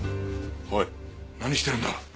おい何してるんだ！？